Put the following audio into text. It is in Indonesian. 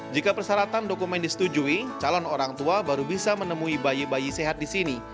jika persyaratan dokumen disetujui calon orang tua baru bisa menemui bayi bayi sehat di sini